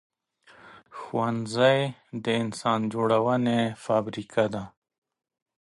ښوونځی د انسان جوړونې فابریکه ده